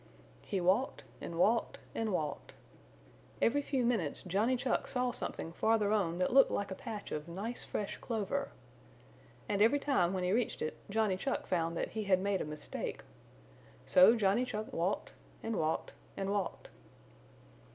He walked and walked and walked. Every few minutes Johnny Chuck saw something farther on that looked like a patch of nice fresh clover. And every time when he reached it Johnny Chuck found that he had made a mistake. So Johnny Chuck walked and walked and walked.